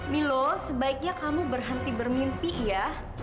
milo sebaiknya kamu berhenti bermimpi ya